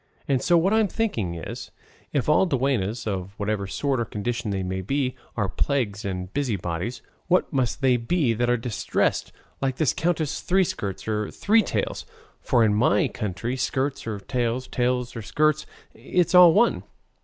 And so what I'm thinking is, if all duennas, of whatever sort or condition they may be, are plagues and busybodies, what must they be that are distressed, like this Countess Three skirts or Three tails! for in my country skirts or tails, tails or skirts, it's all one."